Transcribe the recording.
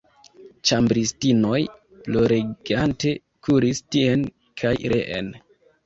Ĉambristinoj ploregante kuris tien kaj reen.